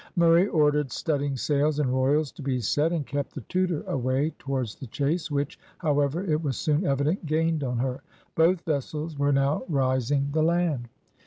Murray ordered studding sails and royals to be set, and kept the Tudor away towards the chase, which, however, it was soon evident gained on her. Both vessels were now rising the land.